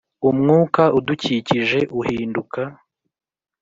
umwuka udukikije uhinduka